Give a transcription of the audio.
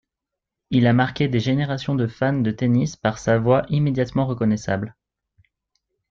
Il a marqué des générations de fans de tennis par sa voix immédiatement reconnaissable.